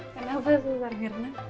kenapa susar mirna